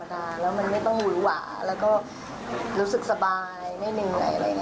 แล้วมันไม่ต้องหวือหวาแล้วก็รู้สึกสบายไม่เหนื่อยอะไรอย่างนี้